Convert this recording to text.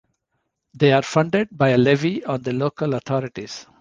They are funded by a levy on the local authorities.